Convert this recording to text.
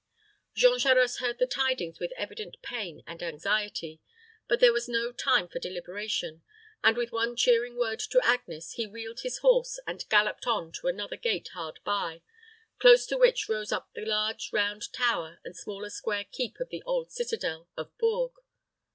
Jean Charost heard the tidings with evident pain and anxiety; but there was no time for deliberation, and, with one cheering word to Agnes, he wheeled his horse and galloped on to another gate hard by, close to which rose up the large round tower and smaller square keep of the old citadel of Bourges.